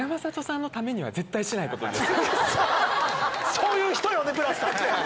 そういう人よねブラスさんって！